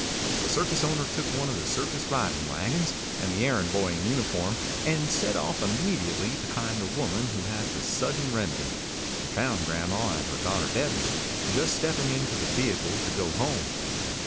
The circus owner took one of the circus riding wagons and the errand boy in uniform and set off immediately to find the woman who had the Sudden Remedy, and found grandma at her daughter Debby's, just stepping into the vehicle to go home.